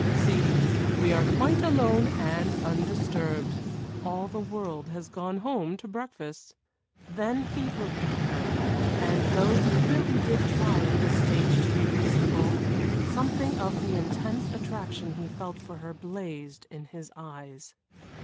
See, we are quite alone and undisturbed; all the world has gone home to breakfast." Then he looked at her, and though he really did try at this stage to be reasonable, something of the intense attraction he felt for her blazed in his eyes.